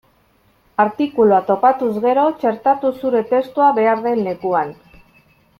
Artikulua topatuz gero, txertatu zure testua behar den lekuan.